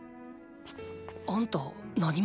あんた何者？